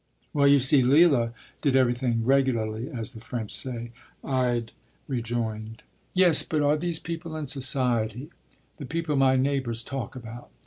” “Well, you see Leila did everything ‘regularly,’ as the French say,” Ide rejoined. “Yes; but are these people in society? The people my neighbours talk about?